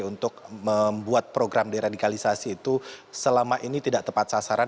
untuk membuat program deradikalisasi itu selama ini tidak tepat sasaran